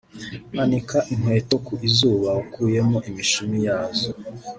Anika inkweto ku izuba wakuyemo imishumi yazo